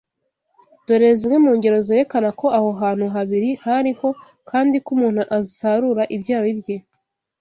Dore zimwe mu ngero zerekana ko aho hantuhabiri hariho kandi ko umuntu asarura ibyo yabibye: